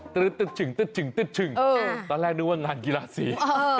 ตอนแรกนึกว่างานกีฬาสี